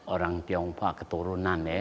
orang tionghoa keturunan ya